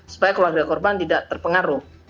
supaya keluarga korban tidak terpengaruh